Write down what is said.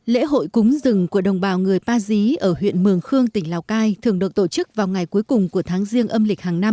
lễ hội cúng rừng của đồng bào người ba dí ở huyện mường khương tỉnh lào cai thường được tổ chức vào ngày cuối cùng của tháng riêng âm lịch hàng năm